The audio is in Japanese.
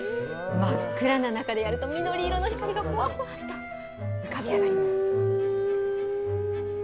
真っ暗な中でやると緑色の光がぽわぽわと浮かび上がります。